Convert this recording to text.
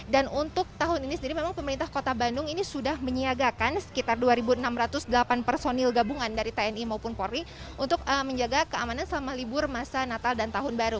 dan untuk tahun ini sendiri memang pemerintah kota bandung ini sudah menyiagakan sekitar dua enam ratus delapan personil gabungan dari tni maupun polri untuk menjaga keamanan selama libur masa natal dan tahun baru